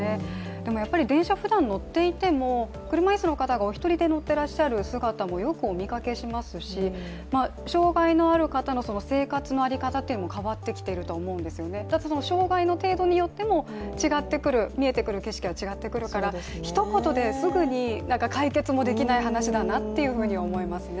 でも電車、普段乗っていても車椅子の方がお一人で乗っている姿もよくお見かけしますし、障害のある方の生活の在り方というのも変わってきていると思うんですよね、障害の程度によっても見えてくる景色は違ってくるからひと言ですぐに解決もできない話だなって思いますね。